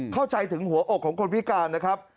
เข้าใจถึงหัวอกของคนพิการนะครับ